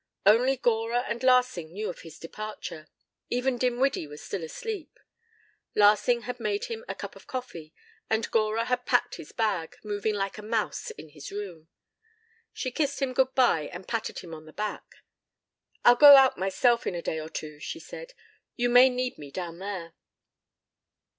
Only Gora and Larsing knew of his departure. Even Dinwiddie was still asleep. Larsing had made him a cup of coffee, and Gora had packed his bag, moving like a mouse in his room. She kissed him good bye and patted him on the back. "I'll go out myself in a day or two," she said. "You may need me down there."